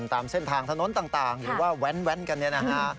ตามเส้นทางถนนต่างหรือว่าแว้นกันเนี่ยนะฮะ